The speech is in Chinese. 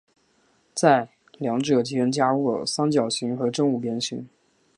在两者间加入三角形和正五边形。